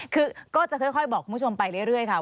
คือก็จะค่อยบอกคุณผู้ชมไปเรื่อยค่ะ